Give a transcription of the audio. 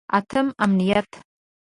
اتم: امنیت.